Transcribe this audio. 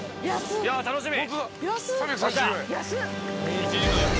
いや楽しみ！